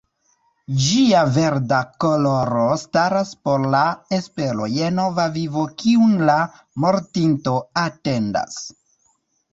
Ĝia verda koloro staras por la espero je nova vivo kiun la mortinto atendas.